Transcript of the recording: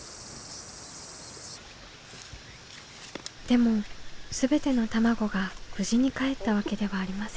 でも全ての卵が無事にかえったわけではありませんでした。